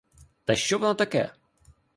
Та й що воно таке?